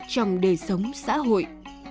trong đời sống xã hội